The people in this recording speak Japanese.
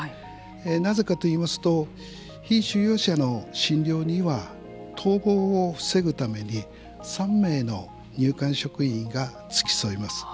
なぜかといいますと被収容者の診療には逃亡を防ぐために３名の入管職員が付き添います。